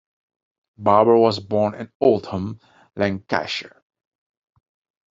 Barber was born in Oldham, Lancashire.